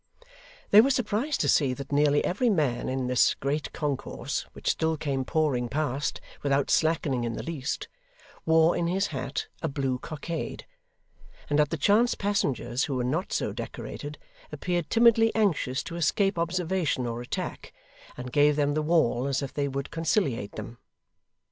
They were surprised to see that nearly every man in this great concourse, which still came pouring past, without slackening in the least, wore in his hat a blue cockade; and that the chance passengers who were not so decorated, appeared timidly anxious to escape observation or attack, and gave them the wall as if they would conciliate them.